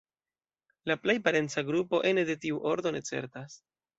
La plej parenca grupo ene de tiu ordo, ne certas.